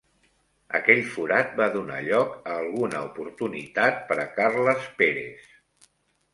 Aquell forat va donar lloc a alguna oportunitat per a Carles Pérez.